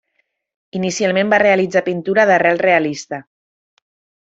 Inicialment va realitzar pintura d'arrel realista.